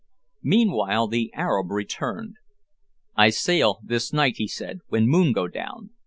Meanwhile the Arab returned. "I sail this night," he said, "when moon go down.